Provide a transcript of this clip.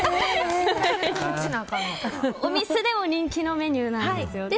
お店でも人気のメニューなんですよね。